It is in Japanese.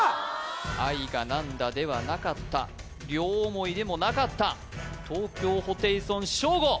愛がなんだではなかった両思いでもなかった東京ホテイソンショーゴ